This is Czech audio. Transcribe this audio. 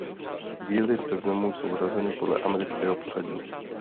Díly v seznamu jsou řazeny podle amerického pořadí.